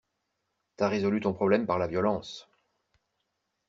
T'as résolu ton problème par la violence.